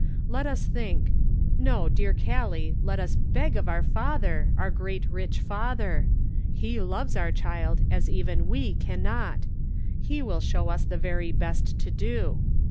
Let us think ; no, dear Gallic, let us beg of our Father, our great rich Father. He loves our child as even we can not; he will show us the very best to do.